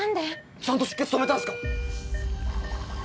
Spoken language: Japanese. ちゃんと出血止めたんすか？